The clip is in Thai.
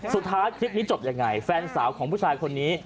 สุดท้ายคลิปนี้จบยังไงแฟนสาวของผู้ชายคนนี้